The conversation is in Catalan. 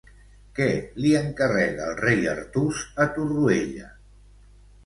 Què li encarrega el rei Artús a Torroella?